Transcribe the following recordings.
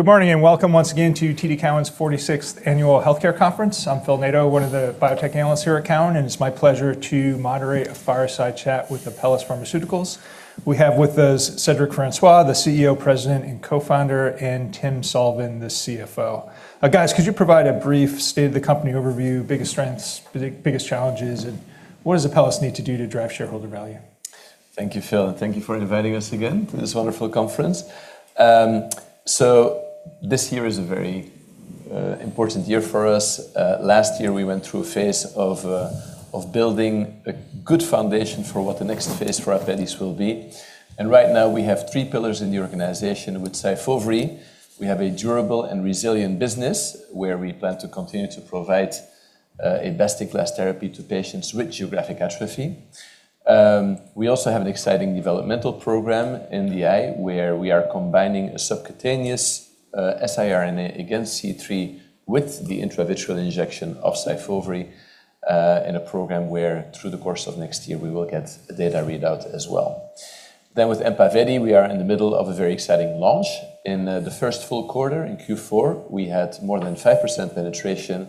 Good morning, and welcome once again to TD Cowen's 46th Annual Healthcare Conference. I'm Phil Nadeau, one of the biotech analysts here at Cowen, and it's my pleasure to moderate a fireside chat with Apellis Pharmaceuticals. We have with us Cedric Francois, the CEO, President, and Co-founder, and Timothy Sullivan, the CFO. Guys, could you provide a brief state-of-the-company overview, biggest strengths, biggest challenges, and what does Apellis need to do to drive shareholder value? Thank you, Phil, thank you for inviting us again to this wonderful conference. This year is a very important year for us. Last year we went through a phase of building a good foundation for what the next phase for Apellis will be. Right now we have three pillars in the organization. With SYFOVRE, we have a durable and resilient business where we plan to continue to provide a best-in-class therapy to patients with geographic atrophy. We also have an exciting developmental program in the eye where we are combining a subcutaneous siRNA against C3 with the intravitreal injection of SYFOVRE in a program where through the course of next year we will get data readout as well. With EMPAVELI, we are in the middle of a very exciting launch. In the first full quarter, in Q4, we had more than 5% penetration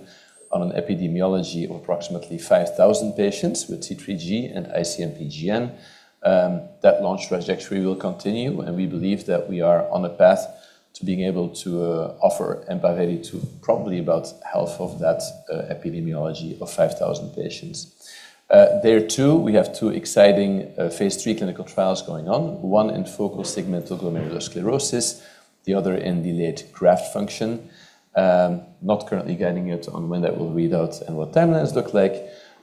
on an epidemiology of approximately 5,000 patients with C3G and IC-MPGN. That launch trajectory will continue, and we believe that we are on a path to being able to offer EMPAVELI to probably about half of that epidemiology of 5,000 patients. There too, we have two exciting phase III clinical trials going on, one in focal segmental glomerulosclerosis, the other in delayed graft function. Not currently guiding yet on when that will read out and what timelines look like,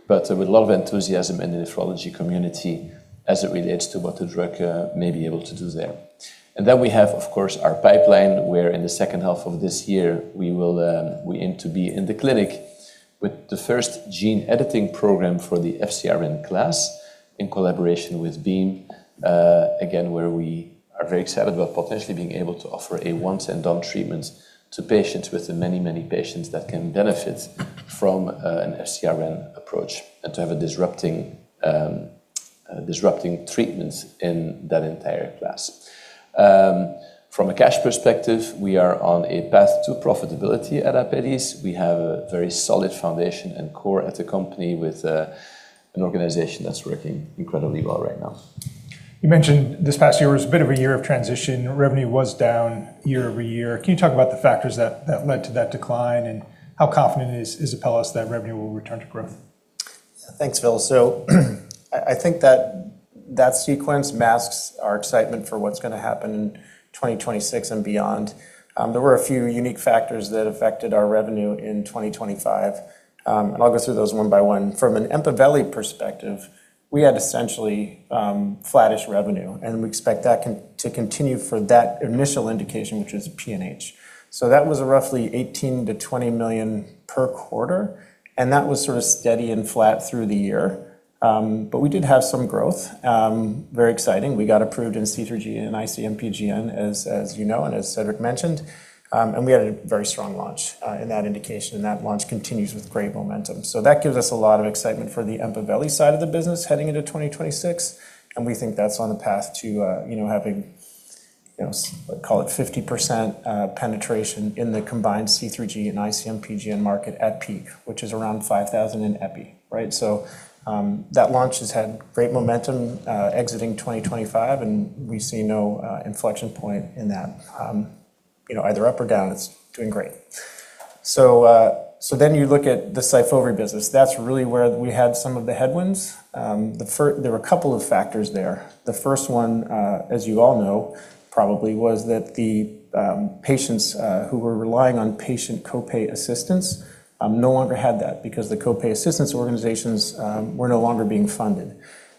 but with a lot of enthusiasm in the nephrology community as it relates to what the drug may be able to do there. We have, of course, our pipeline, where in the H2 of this year we aim to be in the clinic with the first gene editing program for the FcRn class in collaboration with Beam, again, where we are very excited about potentially being able to offer a once-and-done treatment to patients with the many patients that can benefit from an FcRn approach and to have a disrupting treatment in that entire class. From a cash perspective, we are on a path to profitability at Apellis. We have a very solid foundation and core as a company with an organization that's working incredibly well right now. You mentioned this past year was a bit of a year of transition. Revenue was down year-over-year. Can you talk about the factors that led to that decline? How confident is Apellis that revenue will return to growth? Thanks, Phil. I think that sequence masks our excitement for what's gonna happen in 2026 and beyond. There were a few unique factors that affected our revenue in 2025, I'll go through those one by one. From an EMPAVELI perspective, we had essentially flattish revenue, and we expect that to continue for that initial indication, which is PNH. That was roughly $18 million-$20 million per quarter, and that was sort of steady and flat through the year. We did have some growth, very exciting. We got approved in C3G and IC-MPGN, as you know and as Cedric mentioned, we had a very strong launch in that indication, that launch continues with great momentum. That gives us a lot of excitement for the EMPAVELI side of the business heading into 2026, and we think that's on a path to having, you know, call it 50% penetration in the combined C3G and IC-MPGN market at peak, which is around 5,000 in epi, right? That launch has had great momentum, exiting 2025, and we see no inflection point in that, either up or down. It's doing great. You look at the SYFOVRE business. That's really where we had some of the headwinds. There were a couple of factors there. The first one, as you all know probably, was that the patients who were relying on patient co-pay assistance no longer had that because the co-pay assistance organizations were no longer being funded.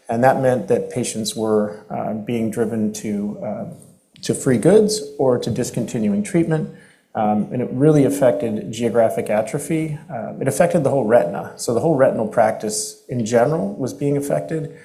That meant that patients were being driven to free goods or to discontinuing treatment and it really affected geographic atrophy. It affected the whole retina. The whole retinal practice in general was being affected.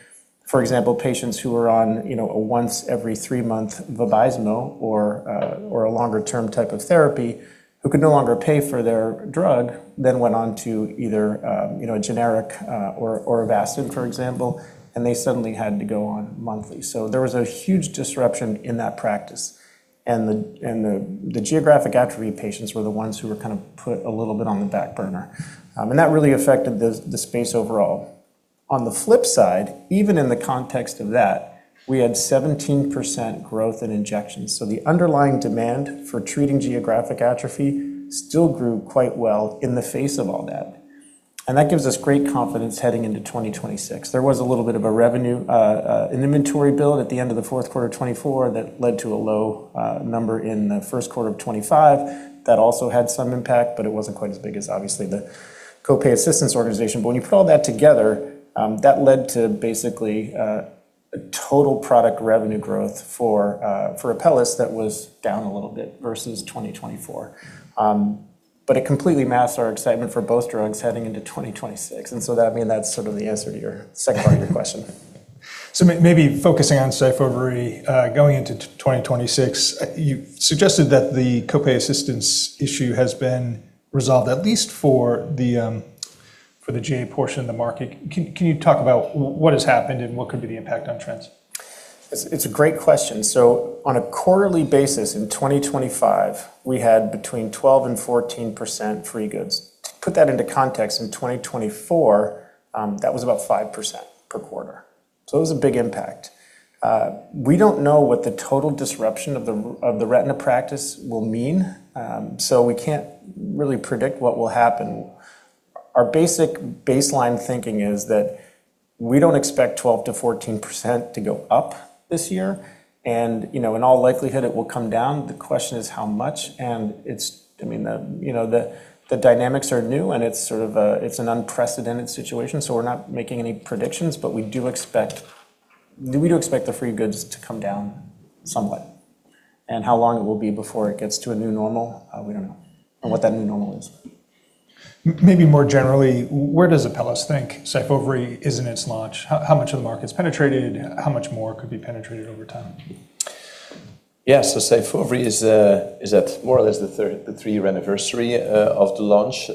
For example, patients who were on, you know, a once every three-month Vabysmo or a longer-term type of therapy who could no longer pay for their drug then went on to either a generic or Avastin, for example, and they suddenly had to go on monthly. There was a huge disruption in that practice. The geographic atrophy patients were the ones who were kind of put a little bit on the back burner. That really affected the space overall. On the flip side, even in the context of that, we had 17% growth in injections. The underlying demand for treating geographic atrophy still grew quite well in the face of all that. That gives us great confidence heading into 2026. There was a little bit of a revenue, an inventory build at the end of the Q4 of 2024 that led to a low number in the Q1 of 2025. That also had some impact, but it wasn't quite as big as obviously the co-pay assistance organization. When you put all that together, that led to basically a total product revenue growth for Apellis that was down a little bit versus 2024. It completely masks our excitement for both drugs heading into 2026. That, I mean, that's sort of the answer to your second part of your question. Maybe focusing on SYFOVRE, going into 2026, you suggested that the co-pay assistance issue has been resolved, at least for the GA portion of the market. Can you talk about what has happened and what could be the impact on trends? It's a great question. On a quarterly basis in 2025, we had between 12% and 14% free goods. To put that into context, in 2024, that was about 5% per quarter. It was a big impact. We don't know what the total disruption of the retina practice will mean, we can't really predict what will happen. Our basic baseline thinking is that we don't expect 12%-14% to go up this year, and, you know, in all likelihood, it will come down. The question is how much. I mean, the, you know, the dynamics are new, and it's sort of a, it's an unprecedented situation, we're not making any predictions. We do expect the free goods to come down somewhat. How long it will be before it gets to a new normal, we don't know, or what that new normal is. Maybe more generally, where does Apellis think SYFOVRE is in its launch? How much of the market's penetrated? How much more could be penetrated over time? SYFOVRE is at more or less the three-year anniversary of the launch.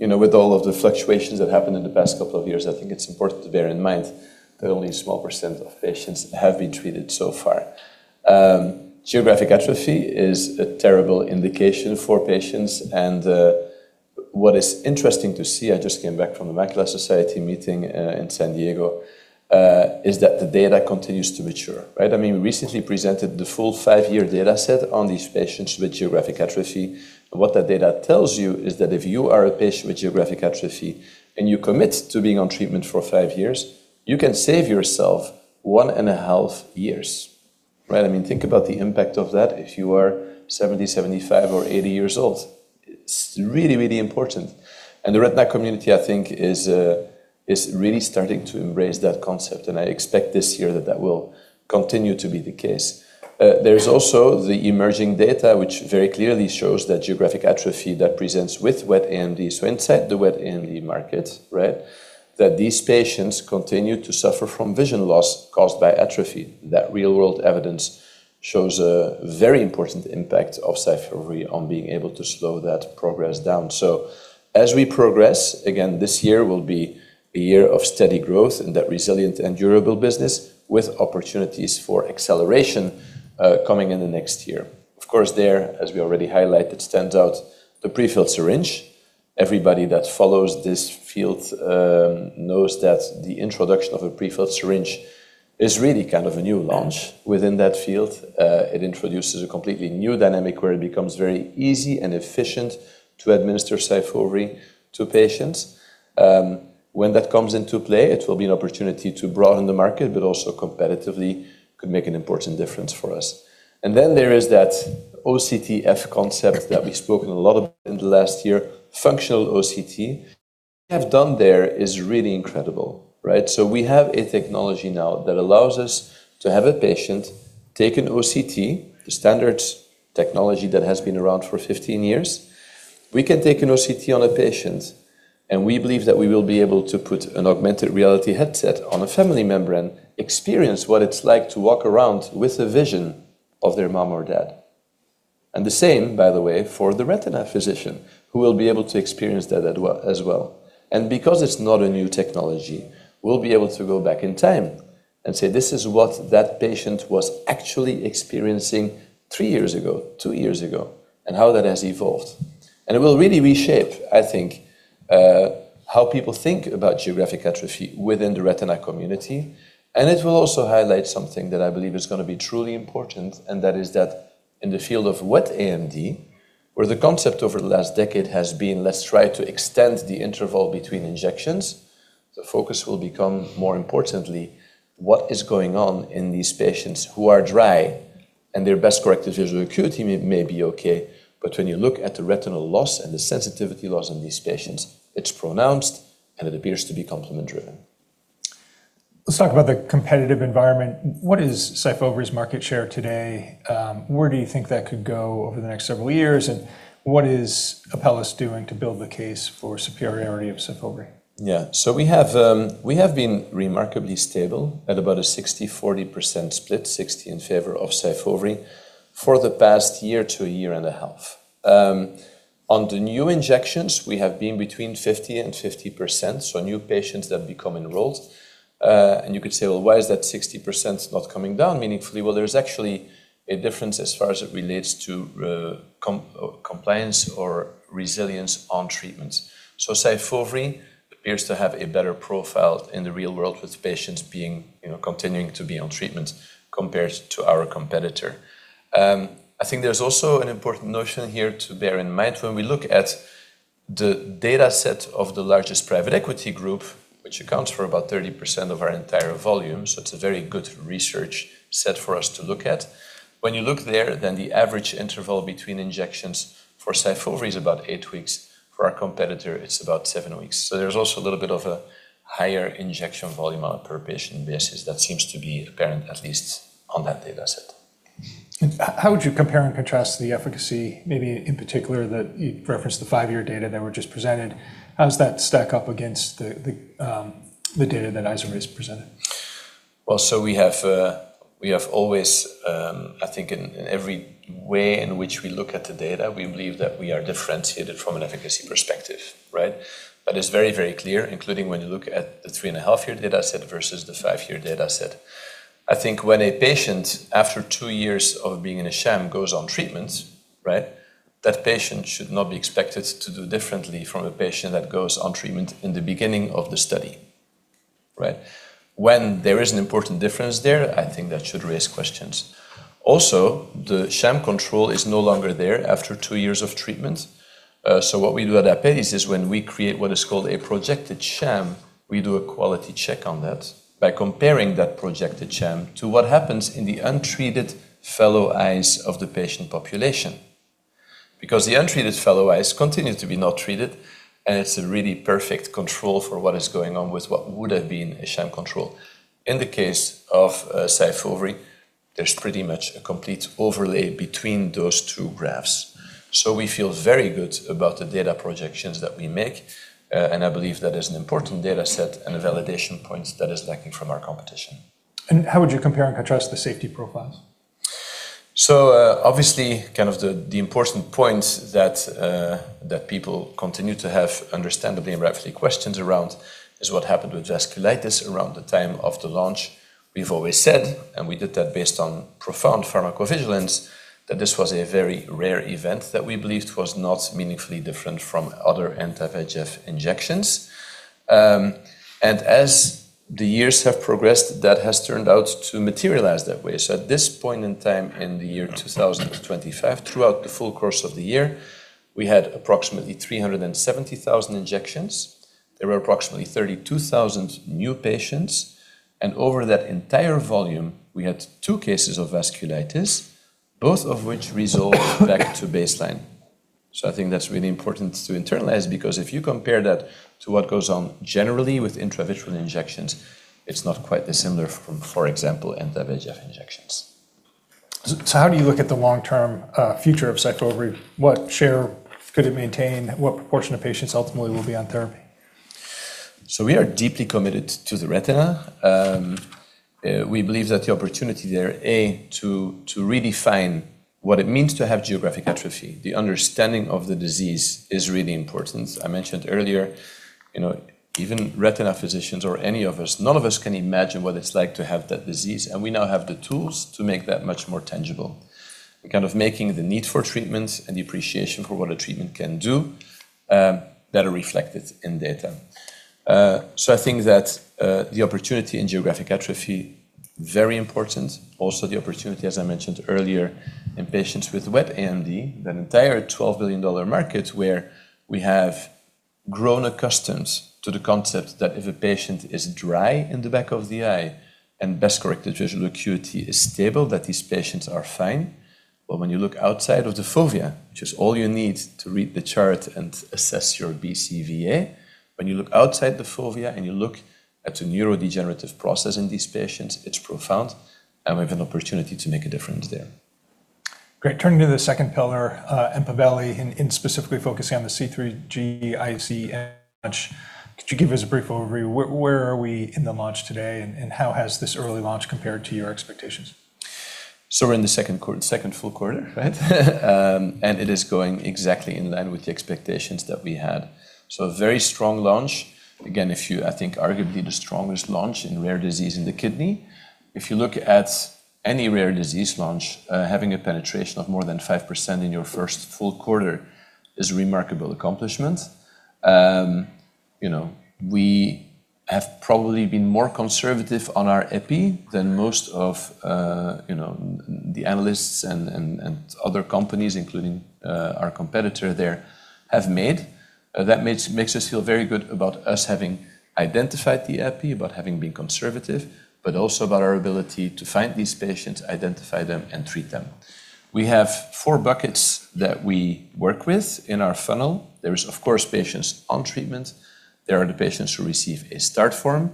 You know, with all of the fluctuations that happened in the past couple of years, I think it's important to bear in mind that only a small percent of patients have been treated so far. Geographic atrophy is a terrible indication for patients, what is interesting to see, I just came back from The Macula Society meeting in San Diego, is that the data continues to mature, right? I mean, we recently presented the full five-year data set on these patients with geographic atrophy. What that data tells you is that if you are a patient with geographic atrophy, you commit to being on treatment for five years, you can save yourself one and a half years, right? I mean, think about the impact of that if you are 70, 75, or 80 years old. It's really, really important. The retina community, I think, is really starting to embrace that concept, and I expect this year that that will continue to be the case. There is also the emerging data which very clearly shows that geographic atrophy that presents with wet AMD, so inside the wet AMD market, right, that these patients continue to suffer from vision loss caused by atrophy. That real-world evidence shows a very important impact of SYFOVRE on being able to slow that progress down. As we progress, again, this year will be a year of steady growth in that resilient and durable business with opportunities for acceleration coming in the next year. Of course, there, as we already highlighted, stands out the prefilled syringe. Everybody that follows this field knows that the introduction of a prefilled syringe is really kind of a new launch within that field. It introduces a completely new dynamic where it becomes very easy and efficient to administer SYFOVRE to patients. When that comes into play, it will be an opportunity to broaden the market, also competitively could make an important difference for us. There is that OCTF concept that we've spoken a lot about in the last year. Functional OCT we have done there is really incredible, right? We have a technology now that allows us to have a patient take an OCT, the standard technology that has been around for 15 years. We can take an OCT on a patient, and we believe that we will be able to put an augmented reality headset on a family member and experience what it's like to walk around with the vision of their mom or dad. The same, by the way, for the retina physician, who will be able to experience that as well. Because it's not a new technology, we'll be able to go back in time and say, "This is what that patient was actually experiencing three years ago, two years ago, and how that has evolved." It will really reshape, I think, how people think about geographic atrophy within the retina community. It will also highlight something that I believe is gonna be truly important, and that is that in the field of wet AMD, where the concept over the last decade has been let's try to extend the interval between injections, the focus will become more importantly what is going on in these patients who are dry and their best-corrected visual acuity may be okay, but when you look at the retinal loss and the sensitivity loss in these patients, it's pronounced, and it appears to be complement driven. Let's talk about the competitive environment. What is SYFOVRE's market share today? Where do you think that could go over the next several years? What is Apellis doing to build the case for superiority of SYFOVRE? Yeah. We have been remarkably stable at about a 60%/40% split, 60% in favor of SYFOVRE for the past year to a year and a half. On the new injections, we have been between 50% and 50%, so new patients that become enrolled. You could say, "Well, why is that 60% not coming down meaningfully?" Well, there's actually a difference as far as it relates to compliance or resilience on treatments. SYFOVRE appears to have a better profile in the real world with patients being, you know, continuing to be on treatment compared to our competitor. I think there's also an important notion here to bear in mind when we look at the data set of the largest private equity group, which accounts for about 30% of our entire volume, so it's a very good research set for us to look at. When you look there, the average interval between injections for SYFOVRE is about eight weeks. For our competitor, it's about seven weeks. There's also a little bit of a higher injection volume on a per patient basis that seems to be apparent at least on that data set. How would you compare and contrast the efficacy, maybe in particular that you referenced the five-year data that were just presented? How does that stack up against the data that Izervay has presented? We have always, I think in every way in which we look at the data, we believe that we are differentiated from an efficacy perspective, right? That is very, very clear, including when you look at the three-and-a-half year data set versus the five-year data set. I think when a patient, after two years of being in a sham, goes on treatment, right, that patient should not be expected to do differently from a patient that goes on treatment in the beginning of the study, right? When there is an important difference there, I think that should raise questions. Also, the sham control is no longer there after two years of treatment. What we do at Apellis is when we create what is called a projected sham, we do a quality check on that by comparing that projected sham to what happens in the untreated fellow eyes of the patient population. The untreated fellow eyes continue to be not treated, and it's a really perfect control for what is going on with what would have been a sham control. In the case of SYFOVRE, there's pretty much a complete overlay between those two graphs. We feel very good about the data projections that we make, and I believe that is an important data set and a validation point that is lacking from our competition. How would you compare and contrast the safety profiles? Obviously, kind of the important point that people continue to have understandably and rightfully questions around is what happened with vasculitis around the time of the launch. We've always said, and we did that based on profound pharmacovigilance, that this was a very rare event that we believed was not meaningfully different from other anti-VEGF injections. As the years have progressed, that has turned out to materialize that way. At this point in time in the year 2025, throughout the full course of the year, we had approximately 370,000 injections. There were approximately 32,000 new patients. Over that entire volume, we had two cases of vasculitis, both of which resolved back to baseline. I think that's really important to internalize because if you compare that to what goes on generally with intravitreal injections, it's not quite dissimilar from, for example, anti-VEGF injections. How do you look at the long-term, future of SYFOVRE? What share could it maintain? What proportion of patients ultimately will be on therapy? We are deeply committed to the retina. We believe that the opportunity there to redefine what it means to have geographic atrophy. The understanding of the disease is really important. I mentioned earlier, you know, even retina physicians or any of us, none of us can imagine what it's like to have that disease, and we now have the tools to make that much more tangible. We're kind of making the need for treatment and the appreciation for what a treatment can do better reflected in data. I think that the opportunity in geographic atrophy, very important. The opportunity, as I mentioned earlier, in patients with wet AMD, that entire $12 billion market where we have grown accustomed to the concept that if a patient is dry in the back of the eye and best-corrected visual acuity is stable, that these patients are fine. When you look outside of the fovea, which is all you need to read the chart and assess your BCVA, when you look outside the fovea and you look at the neurodegenerative process in these patients, it's profound, and we have an opportunity to make a difference there. Great. Turning to the second pillar, EMPAVELI, in specifically focusing on the C3G, IC and launch, could you give us a brief overview? Where are we in the launch today and how has this early launch compared to your expectations? We're in the second full quarter, right? It is going exactly in line with the expectations that we had. A very strong launch. Again, I think arguably the strongest launch in rare disease in the kidney. If you look at any rare disease launch, having a penetration of more than 5% in your first full quarter is a remarkable accomplishment. You know, we have probably been more conservative on our epi than most of, you know, the analysts and other companies, including our competitor there, have made. That makes us feel very good about us having identified the epi, about having been conservative, but also about our ability to find these patients, identify them, and treat them. We have four buckets that we work with in our funnel. There is, of course, patients on treatment. There are the patients who receive a start form.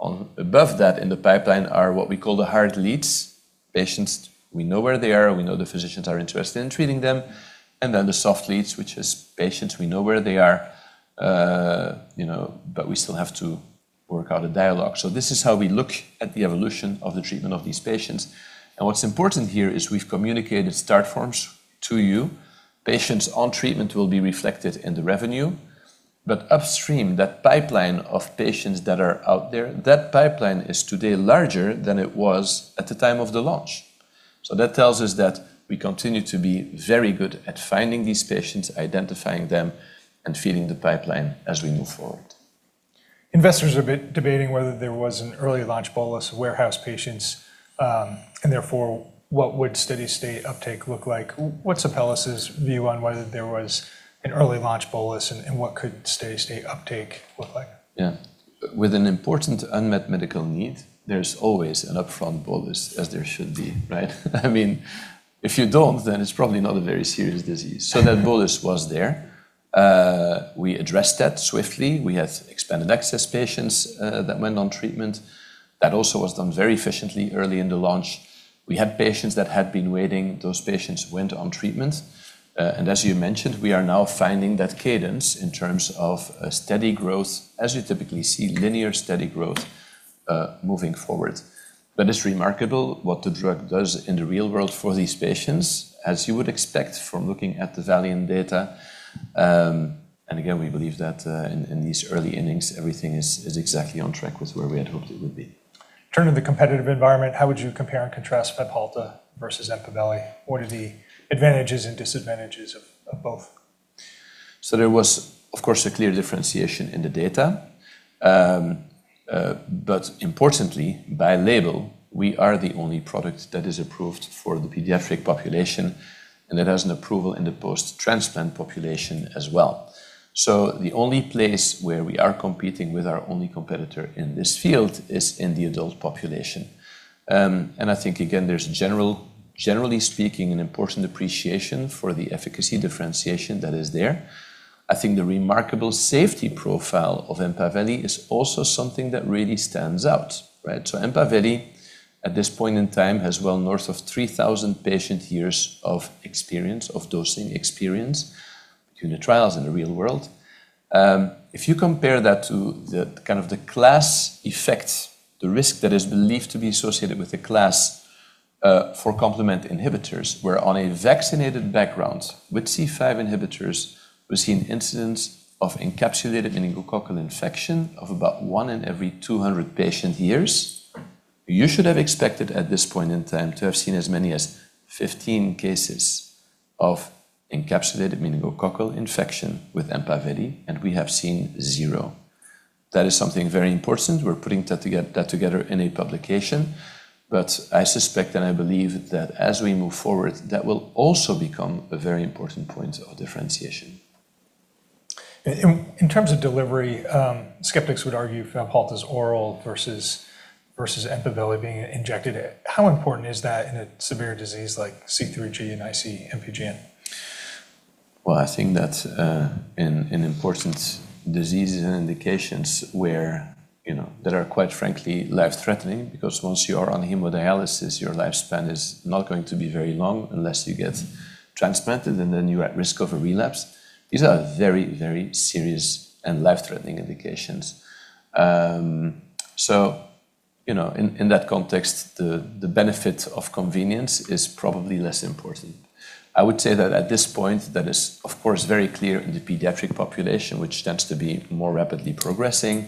On above that in the pipeline are what we call the hard leads. Patients, we know where they are, we know the physicians are interested in treating them. The soft leads, which is patients we know where they are, you know, but we still have to work out a dialogue. This is how we look at the evolution of the treatment of these patients. What's important here is we've communicated start forms to you. Patients on treatment will be reflected in the revenue. Upstream, that pipeline of patients that are out there, that pipeline is today larger than it was at the time of the launch. That tells us that we continue to be very good at finding these patients, identifying them, and feeding the pipeline as we move forward. Investors are debating whether there was an early launch bolus of warehouse patients, and therefore what would steady state uptake look like. What's Apellis' view on whether there was an early launch bolus and what could steady state uptake look like? Yeah. With an important unmet medical need, there's always an upfront bolus, as there should be, right? I mean, if you don't, then it's probably not a very serious disease. That bolus was there. We addressed that swiftly. We had expanded access patients that went on treatment. That also was done very efficiently early in the launch. We had patients that had been waiting. Those patients went on treatment. As you mentioned, we are now finding that cadence in terms of a steady growth as you typically see linear steady growth moving forward. It's remarkable what the drug does in the real world for these patients, as you would expect from looking at the VALIANT data. Again, we believe that in these early innings, everything is exactly on track with where we had hoped it would be. Turning to the competitive environment, how would you compare and contrast Fabhalta versus EMPAVELI? What are the advantages and disadvantages of both? There was of course, a clear differentiation in the data. Importantly by label, we are the only product that is approved for the pediatric population, and it has an approval in the post-transplant population as well. The only place where we are competing with our only competitor in this field is in the adult population. I think again, there's generally speaking, an important appreciation for the efficacy differentiation that is there. I think the remarkable safety profile of EMPAVELI is also something that really stands out, right? EMPAVELI at this point in time has well north of 3,000 patient years of experience, of dosing experience between the trials and the real world. If you compare that to the kind of the class effect, the risk that is believed to be associated with the class, for complement inhibitors, where on a vaccinated background with C5 inhibitors, we're seeing incidence of encapsulated and meningococcal infection of about one in every 200 patient years. You should have expected at this point in time to have seen as many as 15 cases of encapsulated meningococcal infection with EMPAVELI, we have seen 0. That is something very important. We're putting that together in a publication. I suspect, I believe that as we move forward, that will also become a very important point of differentiation. In terms of delivery, skeptics would argue Fabhalta's oral versus EMPAVELI being injected. How important is that in a severe disease like C3G and IC-MPGN? Well, I think that in important diseases and indications where, you know, that are quite frankly life-threatening because once you are on hemodialysis, your lifespan is not going to be very long unless you get transplanted, and then you're at risk of a relapse. These are very serious and life-threatening indications. You know, in that context, the benefit of convenience is probably less important. I would say that at this point, that is of course very clear in the pediatric population, which tends to be more rapidly progressing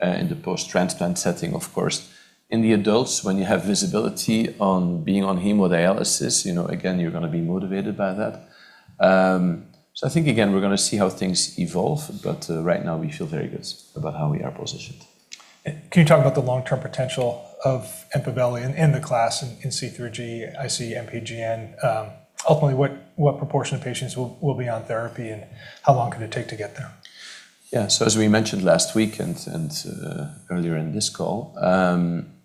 in the post-transplant setting, of course. In the adults, when you have visibility on being on hemodialysis, you know, again, you're gonna be motivated by that. I think again, we're gonna see how things evolve, but right now we feel very good about how we are positioned. Can you talk about the long-term potential of EMPAVELI in the class in C3G, IC-MPGN? ultimately, what proportion of patients will be on therapy, and how long could it take to get there? As we mentioned last week and earlier in this call,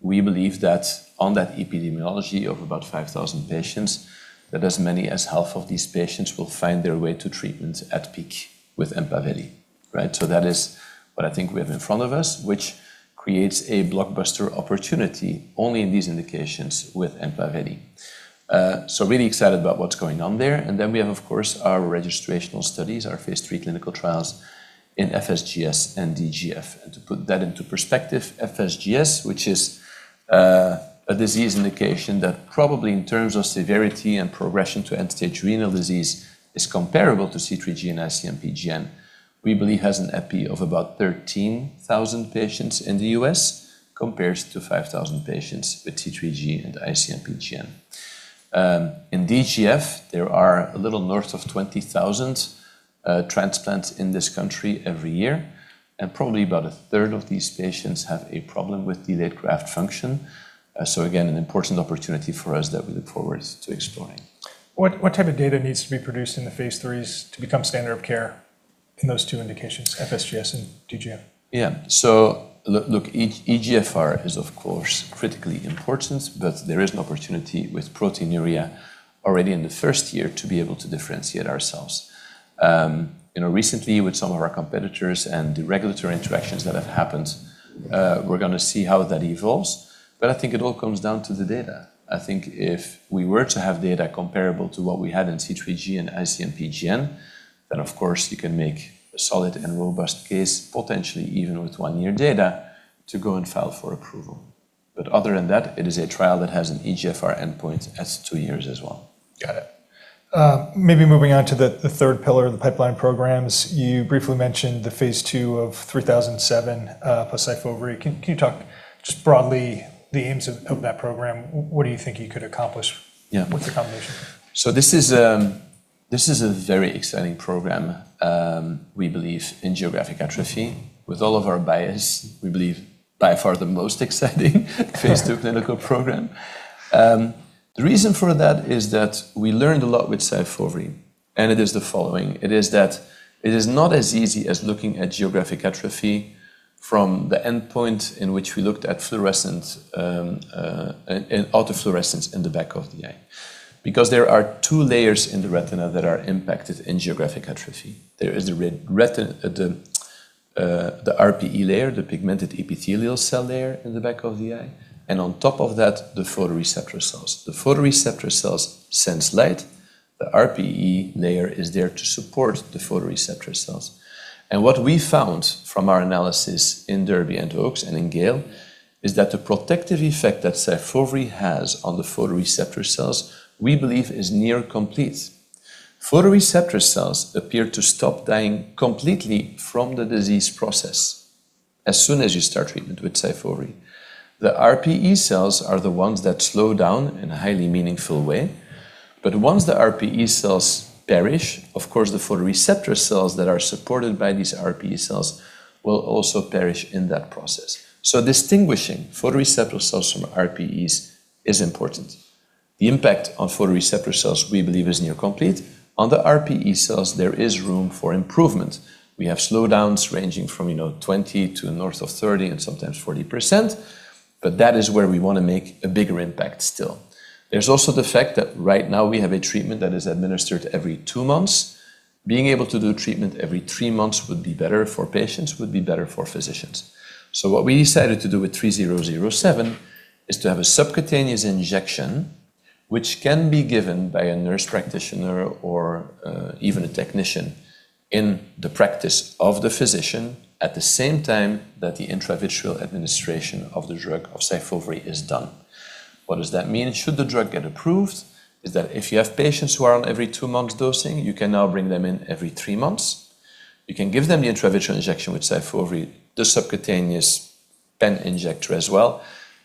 we believe that on that epidemiology of about 5,000 patients, that as many as half of these patients will find their way to treatment at peak with EMPAVELI, right? That is what I think we have in front of us, which creates a blockbuster opportunity only in these indications with EMPAVELI. Really excited about what's going on there. We have, of course, our registrational studies, our phase III clinical trials in FSGS and DGF. To put that into perspective, FSGS, which is a disease indication that probably in terms of severity and progression to end-stage renal disease is comparable to C3G and IC-MPGN, we believe has an epi of about 13,000 patients in the U.S. compared to 5,000 patients with C3G and IC-MPGN. In DGF, there are a little north of 20,000 transplants in this country every year, and probably about a third of these patients have a problem with delayed graft function. Again, an important opportunity for us that we look forward to exploring. What type of data needs to be produced in the phase III to become standard of care in those two indications, FSGS and DGF? eGFR is of course critically important, but there is an opportunity with proteinuria already in the first year to be able to differentiate ourselves. You know, recently with some of our competitors and the regulatory interactions that have happened, we're gonna see how that evolves. I think it all comes down to the data. I think if we were to have data comparable to what we had in C3G and IC-MPGN, then of course you can make a solid and robust case, potentially even with one-year data to go and file for approval. Other than that, it is a trial that has an eGFR endpoint at two years as well. Got it. Maybe moving on to the third pillar of the pipeline programs. You briefly mentioned the phase II of 3007 plus SYFOVRE. Can you talk just broadly the aims of that program? What do you think you could accomplish- Yeah. with the combination? This is a very exciting program. We believe in geographic atrophy. With all of our bias, we believe by far the most exciting phase II clinical program. The reason for that is that we learned a lot with SYFOVRE. It is the following. It is that it is not as easy as looking at geographic atrophy from the endpoint in which we looked at fluorescence, autofluorescence in the back of the eye. There are two layers in the retina that are impacted in geographic atrophy. There is the RPE layer, the pigmented epithelial cell layer in the back of the eye, and on top of that, the photoreceptor cells. The photoreceptor cells sense light. The RPE layer is there to support the photoreceptor cells. What we found from our analysis in DERBY and OAKS and in GALE is that the protective effect that SYFOVRE has on the photoreceptor cells, we believe is near complete. Photoreceptor cells appear to stop dying completely from the disease process as soon as you start treatment with SYFOVRE. The RPE cells are the ones that slow down in a highly meaningful way. Once the RPE cells perish, of course, the photoreceptor cells that are supported by these RPE cells will also perish in that process. Distinguishing photoreceptor cells from RPEs is important. The impact on photoreceptor cells, we believe, is near complete. On the RPE cells, there is room for improvement. We have slowdowns ranging from, you know, 20% to north of 30% and sometimes 40%, but that is where we wanna make a bigger impact still. There's also the fact that right now we have a treatment that is administered every two months. Being able to do treatment every three months would be better for patients, would be better for physicians. What we decided to do with 3007 is to have a subcutaneous injection which can be given by a nurse practitioner or even a technician in the practice of the physician at the same time that the intravitreal administration of the drug of SYFOVRE is done. What does that mean? Should the drug get approved, is that if you have patients who are on every two months dosing, you can now bring them in every three months. You can give them the intravitreal injection with SYFOVRE, the subcutaneous pen injector as well,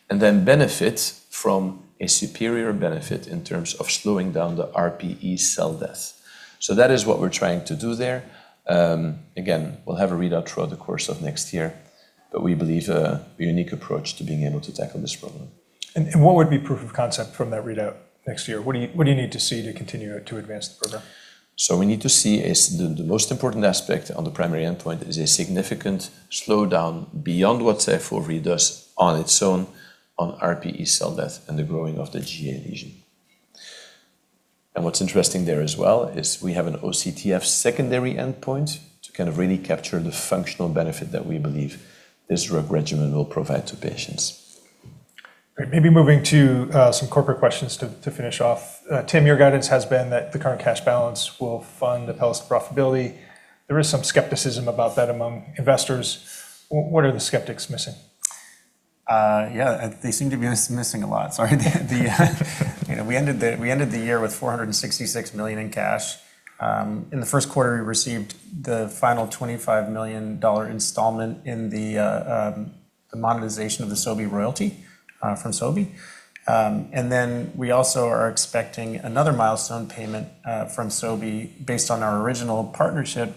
and then benefit from a superior benefit in terms of slowing down the RPE cell death. That is what we're trying to do there. Again, we'll have a readout throughout the course of next year, but we believe a unique approach to being able to tackle this problem. What would be proof of concept from that readout next year? What do you need to see to continue to advance the program? We need to see is the most important aspect on the primary endpoint is a significant slowdown beyond what SYFOVRE does on its own on RPE cell death and the growing of the GA lesion. What's interesting there as well is we have an OCTF secondary endpoint to kind of really capture the functional benefit that we believe this drug regimen will provide to patients. Great. Maybe moving to some corporate questions to finish off. Tim, your guidance has been that the current cash balance will fund the Apellis profitability. There is some skepticism about that among investors. What are the skeptics missing? Yeah, they seem to be missing a lot. Sorry. You know, we ended the year with $466 million in cash. In the Q1, we received the final $25 million installment in the monetization of the Sobi royalty from Sobi. We also are expecting another milestone payment from Sobi based on our original partnership.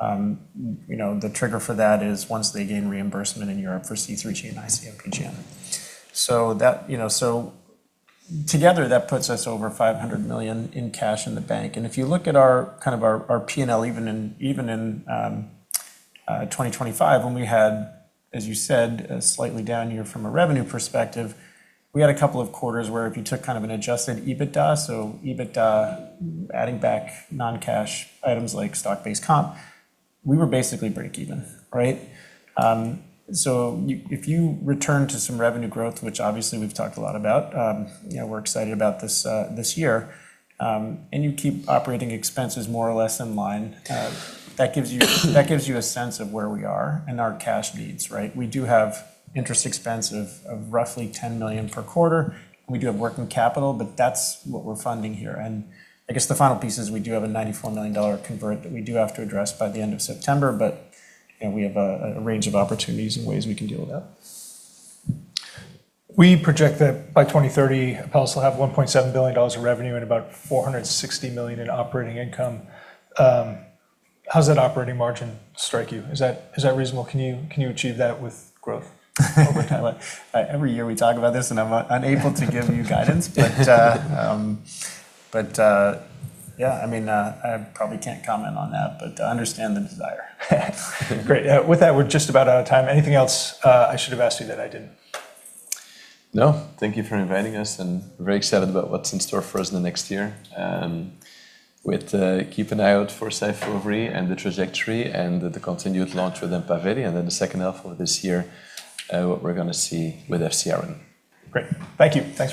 You know, the trigger for that is once they gain reimbursement in Europe for C3G and IC-MPGN. You know, together that puts us over $500 million in cash in the bank. If you look at our P& even in 2025 when we had, as you said, a slightly down year from a revenue perspective, we had a couple of quarters where if you took kind of an adjusted EBITDA, so EBITDA adding back non-cash items like stock-based comp, we were basically break even, right? If you return to some revenue growth, which obviously we've talked a lot about, you know, we're excited about this year, and you keep operating expenses more or less in line, that gives you a sense of where we are and our cash needs, right? We do have interest expense of roughly $10 million per quarter. We do have working capital, but that's what we're funding here. I guess the final piece is we do have a $94 million convert that we do have to address by the end of September, but we have a range of opportunities and ways we can deal with that. We project that by 2030, Apellis will have $1.7 billion of revenue and about $460 million in operating income. How does that operating margin strike you? Is that, is that reasonable? Can you, can you achieve that with growth over time? Every year we talk about this, and I'm unable to give you guidance. Yeah, I probably can't comment on that, but I understand the desire. Great. With that, we're just about out of time. Anything else I should have asked you that I didn't? No. Thank you for inviting us, and very excited about what's in store for us in the next year. With, keep an eye out for SYFOVRE and the trajectory and the continued launch with EMPAVELI, and then the H2 of this year, what we're gonna see with FcRn. Great. Thank you. Thanks, Tim.